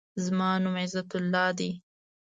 زما نوم عزت الله دی.